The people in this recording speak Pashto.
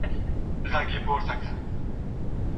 فارابي د افلاطون په څېر د یوې ایډیالې ټولني پلوی و.